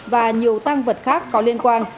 và nhiều tăng vật khác có liên quan